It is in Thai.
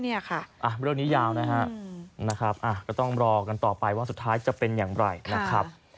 เรื่องนี้ยาวนะครับก็ต้องรอกันต่อไปว่าสุดท้ายจะเป็นอย่างไรนะครับ